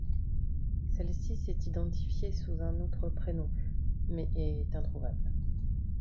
Celle-ci s'est identifiée sous un autre prénom, mais est introuvable.